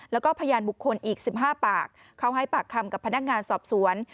แล้วก็พยานบุคคลอีก๑๕ปากเขาให้ปากคำกับพนักงานสอบสวน